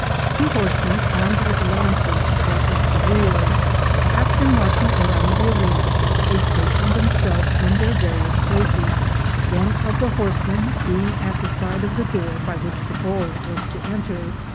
Two horsemen, armed with lances, brought up the rear. After marching round the arena, they stationed themselves in their various places, one of the horsemen being at the side 316 BULL FIGHTING 317 of the door by which the bull was to enter.